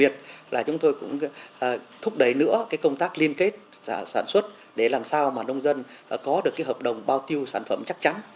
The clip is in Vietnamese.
thúc đẩy nữa công tác liên kết sản xuất để làm sao mà nông dân có được hợp đồng bao tiêu sản phẩm chắc chắn